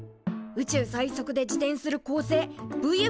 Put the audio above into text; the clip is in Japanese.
宇宙最速で自転する恒星ＶＦＴＳ